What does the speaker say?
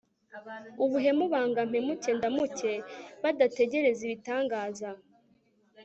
ubuhemu, banga mpemuke ndamuke. badategereza ibitangaza